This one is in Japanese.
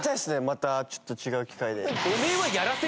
またちょっと違う機会で。